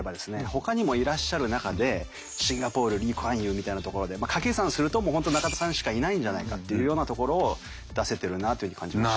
ほかにもいらっしゃる中でシンガポールリー・クアンユーみたいなところで掛け算すると本当中田さんしかいないんじゃないかっていうようなところを出せてるなというふうに感じました。